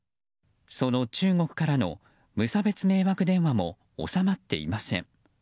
その中国からの無差別迷惑電話も収まっていません。